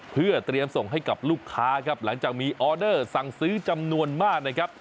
เพื่อเตรียมส่งให้กับลูกค้าครับหลังจากมีออเดอร์สั่งซื้อจำนวนมากนะครับ